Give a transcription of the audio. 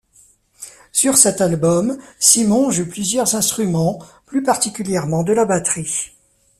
Sur cet album, Simon joue plusieurs instruments, plus particulièrement de la batterie.